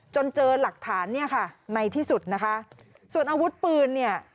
เจอหลักฐานเนี่ยค่ะในที่สุดนะคะส่วนอาวุธปืนเนี่ย